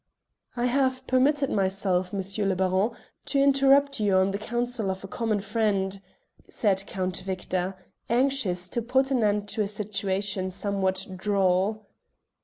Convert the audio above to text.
"I have permitted myself, M. le Baron, to interrupt you on the counsel of a common friend," said Count Victor, anxious to put an end to a situation somewhat droll.